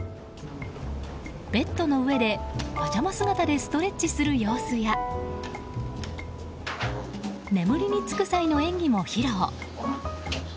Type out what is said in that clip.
ベッドの上で、パジャマ姿でストレッチする様子や眠りに就く際の演技も披露。